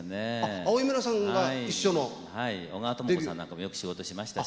小川知子さんなんかもよく仕事しましたし。